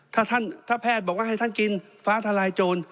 ถ้าแพทย์บอกว่าให้ท่านกินฟ้าทลายโจร